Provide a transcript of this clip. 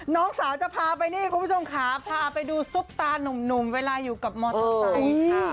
น้องสาวจะพาไปนี่คุณผู้ชมค่ะพาไปดูซุปตานุ่มเวลาอยู่กับมอเตอร์ไซค์ค่ะ